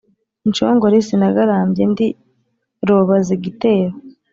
inshongore sinagarambye ndi rubabazigitero